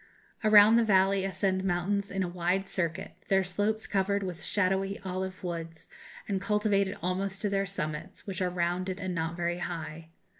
Around the valley ascend mountains in a wide circuit, their slopes covered with shadowy olive woods, and cultivated almost to their summits, which are rounded and not very high.